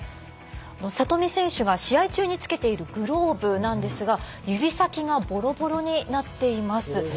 里見選手が試合中につけているグローブなんですが指先がぼろぼろになっています。